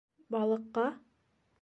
- Балыҡҡа?